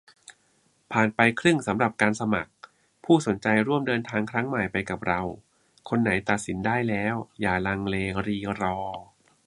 ผ่านไปครึ่งสำหรับการสมัคร ผู้สนใจร่วมเดินทางครั้งใหม่ไปกับเรา คนไหนตัดสินได้แล้ว อย่าลังเลรีรอ